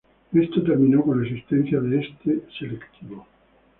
Esto terminó con la existencia de este selectivo.